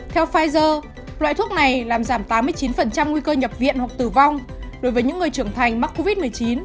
theo pfizer loại thuốc này làm giảm tám mươi chín nguy cơ nhập viện hoặc tử vong đối với những người trưởng thành mắc covid một mươi chín